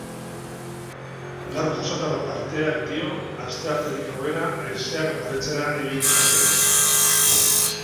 Gaur jasotako parteak dio asteartetik aurrera haizeak baretzera egin dezakeela.